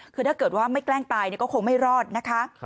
คือถ้าเกิดว่าไม่แกล้งตายก็คงไม่รอดนะคะ